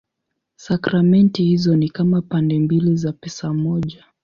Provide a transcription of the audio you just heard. Sakramenti hizo ni kama pande mbili za pesa moja.